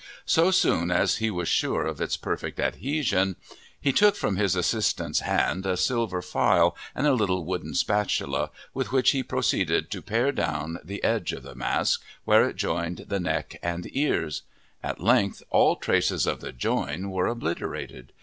So soon as he was sure of its perfect adhesion, he took from his assistant's hand a silver file and a little wooden spatula, with which he proceeded to pare down the edge of the mask, where it joined the neck and ears. At length, all traces of the "join" were obliterated.